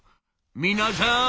皆さん！